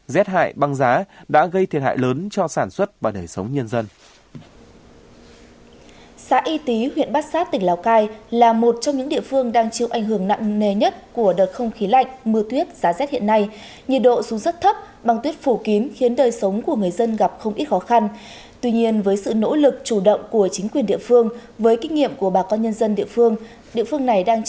rét hại băng giá đã gây thiệt hại lớn cho sản xuất và đời sống nhân dân